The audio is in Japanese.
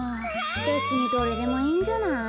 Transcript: べつにどれでもいいんじゃない？